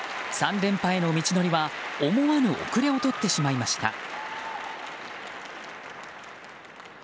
３連覇への道のりは思わぬ後れを取ってしまいました。